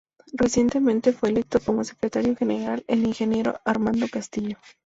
Recientemente fue electo como Secretario General el Ingeniero Armando Castillo.